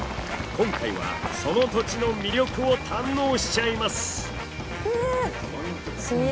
今回はその土地の魅力を堪能しちゃいます。